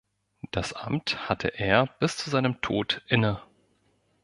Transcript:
Das Amt hatte er bis zu seinem Tod inne.